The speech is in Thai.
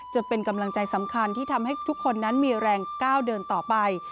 จะเป็นกำลังใจสำคัญที่ทำให้ทุกคนนั้นมีแรงก้าวเดินต่อไป